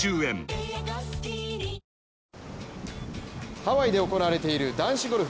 ハワイで行われている男子ゴルフ